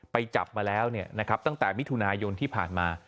ไปจับมาแล้วตั้งแต่มิถุนายนที่ผ่านมา